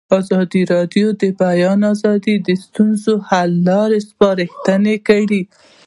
ازادي راډیو د د بیان آزادي د ستونزو حل لارې سپارښتنې کړي.